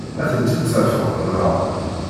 Ad tent-id-tafeḍ, naɣ?